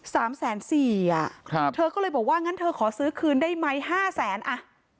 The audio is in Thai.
สามแสนสี่อ่ะครับเธอก็เลยบอกว่างั้นเธอขอซื้อคืนได้ไหมห้าแสนอ่ะ